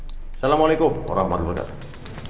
assalamualaikum warahmatullahi wabarakatuh